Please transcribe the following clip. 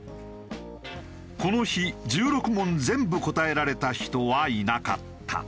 この日１６問全部答えられた人はいなかった。